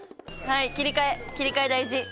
切り替え、切り替え大事。